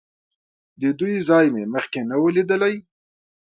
د دوی ځای مې مخکې نه و لیدلی.